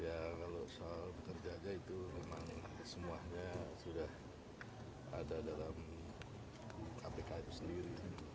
ya kalau soal bekerjanya itu memang semuanya sudah ada dalam kpk itu sendiri